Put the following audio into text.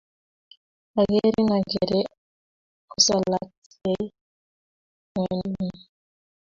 Akerin akere kosalakseiy ng'wendunyu.